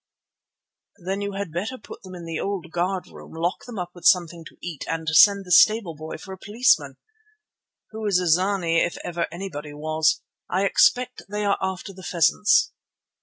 "Then you had better put them in the old guardroom, lock them up with something to eat, and send the stable boy for the policeman, who is a zany if ever anybody was. I expect they are after the pheasants."